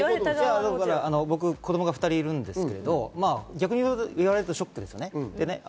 僕、子供が２人いるんですけど、言われるとショックですよね。